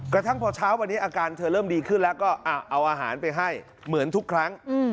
กระทั่งพอเช้าวันนี้อาการเธอเริ่มดีขึ้นแล้วก็เอาอาหารไปให้เหมือนทุกครั้ง